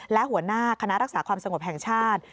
และหัวหน้าคณะรักษาความสงบแห่งชาติ